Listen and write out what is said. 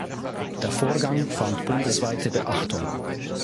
Der Vorgang fand bundesweite Beachtung.